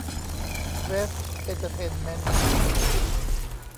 เวฟ เอ็นเตอร์เทนเมนท์